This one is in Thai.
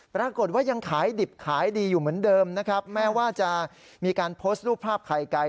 ปรากฏว่ายังขายดิบขายดีอยู่เหมือนเดิมนะครับแม้ว่าจะมีการโพสต์รูปภาพไข่ไก่